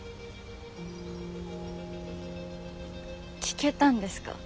聞けたんですか？